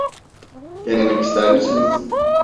Denemek ister misiniz?